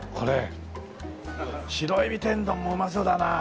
白エビ天丼もうまそうだなあ。